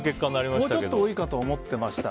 もうちょっと多いかと思っていました。